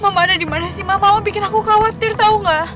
mama ada dimana sih mama bikin aku khawatir tau gak